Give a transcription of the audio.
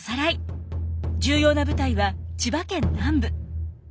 重要な舞台は千葉県南部。